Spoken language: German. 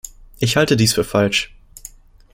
Ich halte dies für falsch.